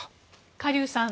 カ・リュウさん